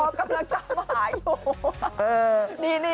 ผอกำลังต้องมาหาอยู่